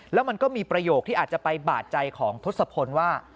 แล้วมันก็มีประโยคที่อาจจะไปบาดใจของทศพลว่า